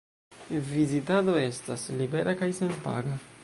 Vizitado estas libera kaj senpaga.